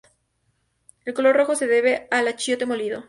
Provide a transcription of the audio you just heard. El Color Rojo se debe al Achiote molido.